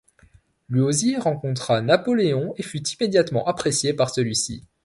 Luosi rencontra Napoléon et fut immédiatement apprécié par celui-ci.